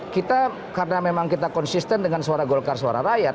kita karena memang kita konsisten dengan suara golkar suara rakyat